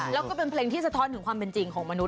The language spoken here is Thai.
แล้วก็เป็นเพลงที่สะท้อนถึงความเป็นจริงของมนุษ